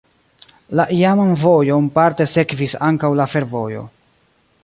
La iaman vojon parte sekvis ankaŭ la fervojo.